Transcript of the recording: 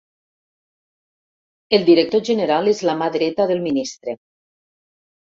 El director general és la mà dreta del ministre.